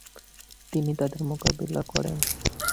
তিনি তাদের মোকাবিলা করেন।